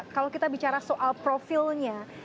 kalau kita bicara soal profilnya